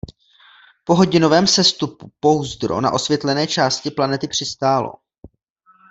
Po hodinovém sestupu pouzdro na osvětlené části planety přistálo.